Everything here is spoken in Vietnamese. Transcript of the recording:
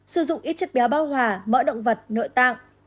sử dụng ít chất béo bao hòa mỡ động vật nội tạng